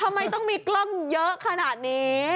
ทำไมต้องมีกล้องเยอะขนาดนี้